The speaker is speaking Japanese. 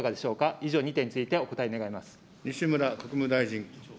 以上、２点について、お答え願います。